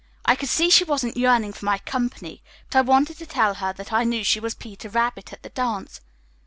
I could see she wasn't yearning for my company, but I wanted to tell her that I knew she was 'Peter Rabbit' at the dance.